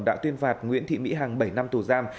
đã tuyên phạt nguyễn thị mỹ hằng bảy năm tù giam